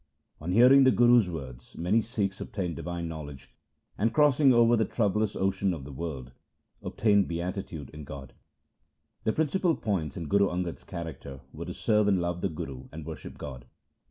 On hearing the Guru's words many Sikhs obtained divine knowledge, and crossing over the troublous ocean of the world, obtained beatitude in God. The principal points in Guru Angad' s character were to serve and love the Guru and worship God.